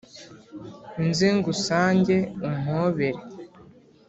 Nze ngusange umpobere